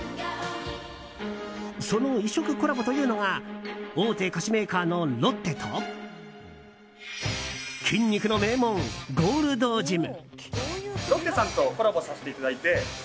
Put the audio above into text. その異色コラボというのが大手菓子メーカーのロッテと筋肉の名門ゴールドジム。